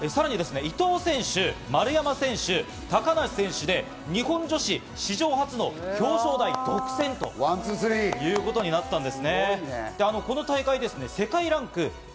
さらに伊藤選手、丸山選手、高梨選手で日本女子史上初の表彰台独占ということになったんです。